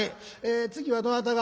次はどなたが？」。